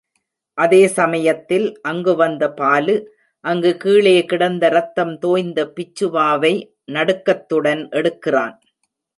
அதே சமயத்தில் அங்கு வந்த பாலு அங்கு கீழே கிடந்த ரத்தம் தோய்ந்த பிச்சு வாவை நடுக்கத்துடன் எடுக்கிறான்.